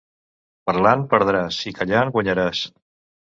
Parlant perdràs i callant guanyaràs.